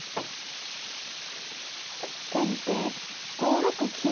先手５六金。